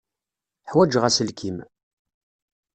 Ḥwaǧeɣ aselkim.